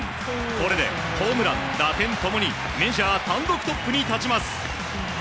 これでホームラン、打点共にメジャー単独トップに立ちます。